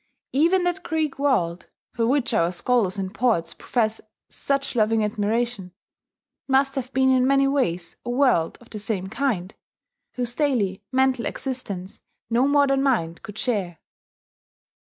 Even that Greek world, for which our scholars and poets profess such loving admiration, must have been in many ways a world of the same kind, whose daily mental existence no modern mind could share.